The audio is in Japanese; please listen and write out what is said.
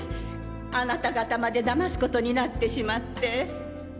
あなた方まで騙すことになってしまって。